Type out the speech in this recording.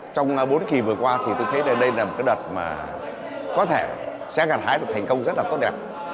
trong bốn kỳ vừa qua thì tôi thấy đây là một cái đợt mà có thể sẽ gặt hái được thành công rất là tốt đẹp